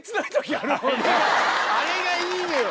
あれがいいのよ！